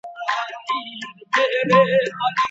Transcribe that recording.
غټ اولادونه د مور له شفقت اوسيوري څخه محروميږي.